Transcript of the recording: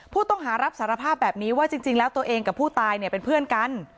ผู้ต้องหารับสารภาพแบบนี้ว่าจริงแล้วตัวเองกับผู้ตายเนี่ยเป็นเพื่อนกัน